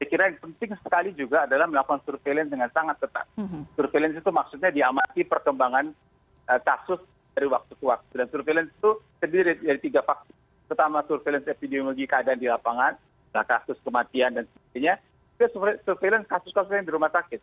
itu surveillance kasus kasus yang di rumah sakit